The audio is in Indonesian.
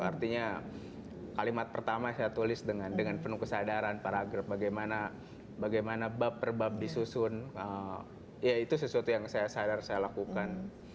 artinya kalimat pertama saya tulis dengan penuh kesadaran paragraf bagaimana bab per bab disusun ya itu sesuatu yang saya sadar saya lakukan